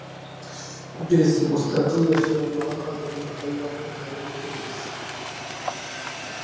بىز مۇستەقىل ياشىيالمىغان ئادەمنى ھايۋان قاتارىدا كۆرىمىز.